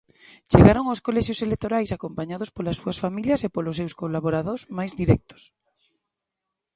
Chegaron aos colexios electorais acompañados polas súas familias e polos seus colaborados máis directos.